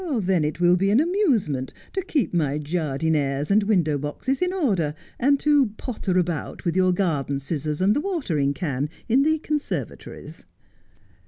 ' Then it will be an amusement to keep my jardinieres and window boxes in order, and to potter about with your garden scissors and the watering can in the conservatories.'